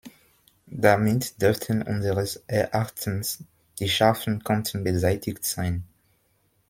Damit dürften unseres Erachtens die scharfen Kanten beseitigt sein.